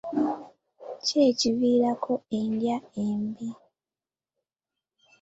Ki ekiviirako endya embi?